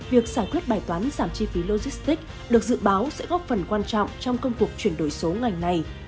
việc giải quyết bài toán giảm chi phí logistics được dự báo sẽ góp phần quan trọng trong công cuộc chuyển đổi số ngành này